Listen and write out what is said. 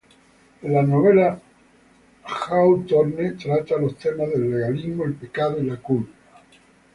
En la novela Hawthorne trata los temas del legalismo, el pecado y la culpa.